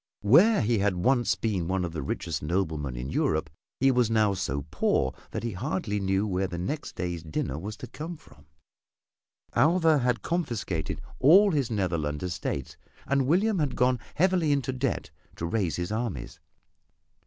Where he had once been one of the richest noblemen in Europe, he was now so poor that he hardly knew where the next day's dinner was to come from. Alva had confiscated all his Netherland estates, and William had gone heavily into debt to raise his armies.